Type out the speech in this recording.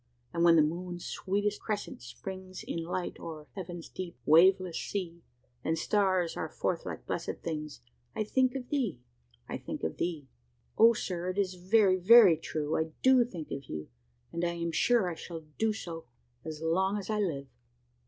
And when the moon's sweet crescent springs In light or heaven's deep, waveless sea, And stars are forth like blessed things I think of thee I think of thee! "O sir! it is very, very true! I do think of you, and I am sure I shall do so as long as I live.